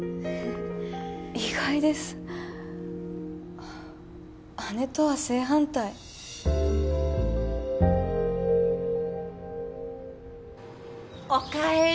意外です姉とは正反対お帰り